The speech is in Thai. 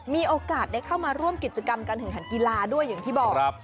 มีโอกาสได้เข้ามาร่วมกิจกรรมการแข่งขันกีฬาด้วยอย่างที่บอก